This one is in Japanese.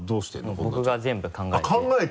僕が全部考えて。